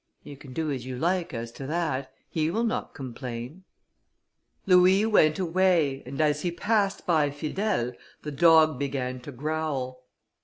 "You can do as you like as to that, he will not complain." Louis went away, and as he passed by Fidèle, the dog began to growl.